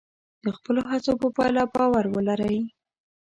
د خپلو هڅو په پایله باور ولرئ.